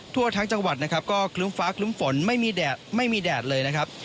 ทั่วทั้งจังหวัดนะครับก็คลุ้มฟ้าคลึ้มฝนไม่มีแดดไม่มีแดดเลยนะครับ